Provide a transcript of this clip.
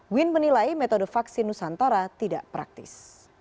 win menilai metode vaksin nusantara tidak praktis